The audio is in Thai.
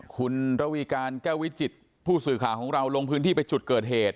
คุณระวีการแก้ววิจิตผู้สื่อข่าวของเราลงพื้นที่ไปจุดเกิดเหตุ